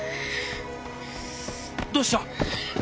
どうした？